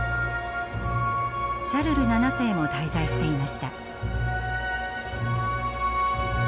シャルル七世も滞在していました。